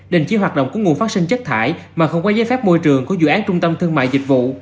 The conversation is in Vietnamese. đình chỉ hoạt động của nguồn phát sinh chất thải mà không có giấy phép môi trường của dự án trung tâm thương mại dịch vụ